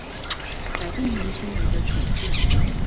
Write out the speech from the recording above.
改變年輕人的處境